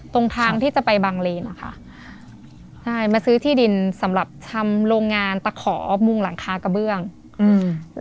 ตรงทางที่จะไปบางเลนอ่ะค่ะใช่มาซื้อที่ดินสำหรับทำโรงงานตะขอมุงหลังคากระเบื้องอืม